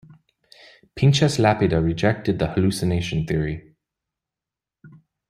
Pinchas Lapide rejected the hallucination theory.